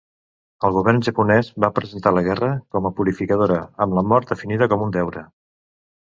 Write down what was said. El govern japonès va presentar la guerra com a purificadora, amb la mort definida com un deure.